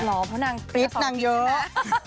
เหรอเพราะนางพริษนางเยอะ